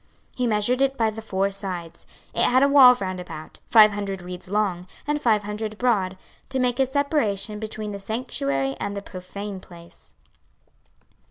26:042:020 He measured it by the four sides: it had a wall round about, five hundred reeds long, and five hundred broad, to make a separation between the sanctuary and the profane place.